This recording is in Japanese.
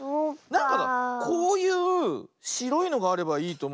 なんかこういうしろいのがあればいいとおもうんだけどね。